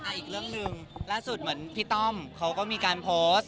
อีกเรื่องหนึ่งล่าสุดเหมือนพี่ต้อมเขาก็มีการโพสต์